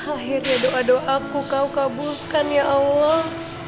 akhirnya doa doaku kau kabulkan ya allah